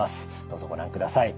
どうぞご覧ください。